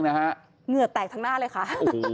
เหงื่อแตกทั้งหน้าเลยค่ะ